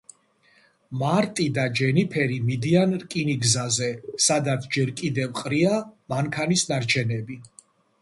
მარტი და ჯენიფერი მიდიან რკინიგზაზე, სადაც ჯერ კიდევ ყრია მანქანის ნარჩენები.